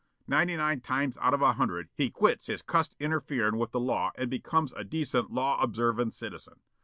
Ninety nine times out of a hundred he quits his cussed interferin' with the law and becomes a decent, law observin' citizen.